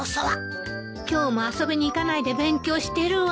今日も遊びに行かないで勉強してるわ。